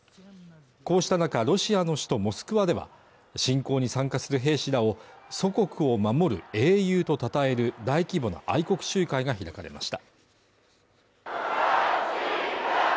こうしたなかロシアの首都モスクワでは侵攻に参加する兵士らを祖国を守る英雄と称える大規模な愛国集会が開かれました。